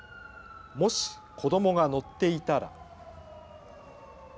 もし子どもが乗っていたら。